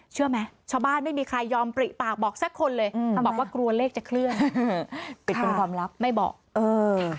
เชื่อไหมชาวบ้านไม่มีใครยอมปริปากบอกแสดงคนเลยบอกว่ากลัวเลขจะเคลื่อนค่ะไม่บอกเออ